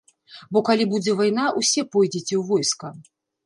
Бо калі будзе вайна, усе пойдзеце ў войска.